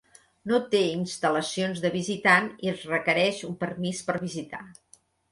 No té instal·lacions de visitant i es requereix un permís per visitar.